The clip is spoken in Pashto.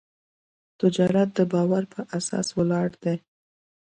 تجارت د باور په اساس ولاړ دی.